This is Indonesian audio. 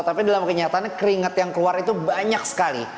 tapi dalam kenyataannya keringat yang keluar itu banyak sekali